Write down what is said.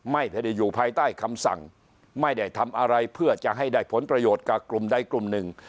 ไม่ได้อยู่ภายใต้คำสั่งไม่ได้ทำอะไรเพื่อจะให้ได้ผลประโยชน์กับกลุ่มใดกลุ่มหนึ่ง